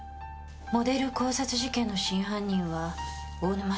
モデル絞殺事件の真犯人は大沼社長。